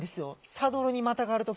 サドルにまたがる時。